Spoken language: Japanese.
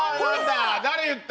誰言った？